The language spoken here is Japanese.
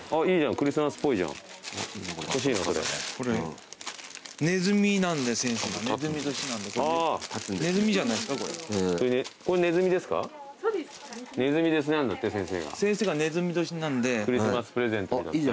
クリスマスプレゼントにだって。